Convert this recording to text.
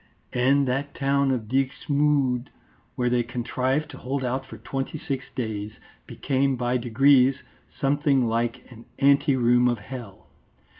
'" And that town of Dixmude, where they contrived to hold out for twenty six days, became by degrees something like an ante room of hell.